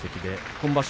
今場所